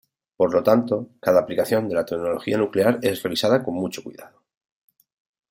Por lo tanto, cada aplicación de la tecnología nuclear es revisada con mucho cuidado.